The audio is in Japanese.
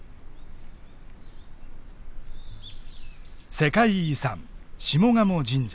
世界遺産下鴨神社。